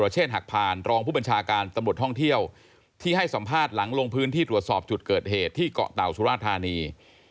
จึงที่ตรวจสอบจุดเกิดเหตุที่เกาะเต่าสุรทานี